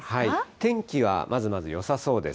天気はまずまずよさそうです。